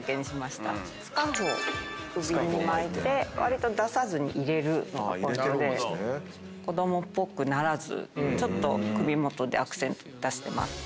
スカーフを首に巻いてわりと出さずに入れることで子供っぽくならずちょっと首元でアクセント出してます。